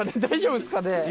大丈夫ですかね？